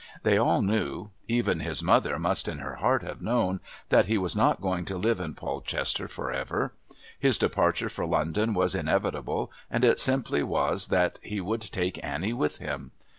They all knew even his mother must in her heart have known that he was not going to live in Polchester for ever. His departure for London was inevitable, and it simply was that he would take Annie with him.